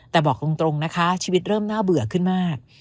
แต่บอกตรงนะคะชีวิตเริ่มน่าเบื่อขึ้นมาก